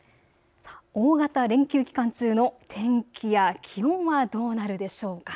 大型連休期間中の天気や気温はどうなるでしょうか。